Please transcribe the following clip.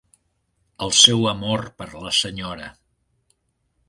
El seu amor per la senyora